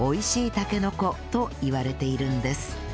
たけのこといわれているんです